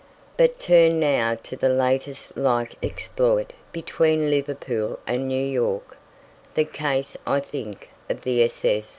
But turn now to the latest like exploit between Liverpool and New York the case, I think, of the s.s.